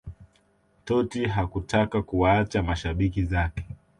Totti hakutaka kuwaacha mashabiki zake